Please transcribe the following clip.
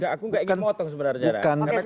aku tidak ingin memotong sebenarnya